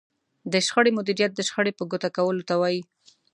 د شخړې مديريت د شخړې په ګوته کولو ته وايي.